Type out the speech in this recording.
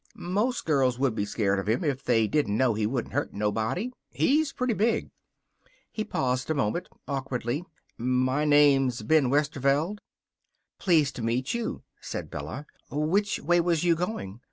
"Most girls would be scared of him if they didn't know he wouldn't hurt nobody. He's pretty big." He paused a moment, awkwardly. "My name's Ben Westerveld." "Pleased to meet you," said Bella. "Which way was you going?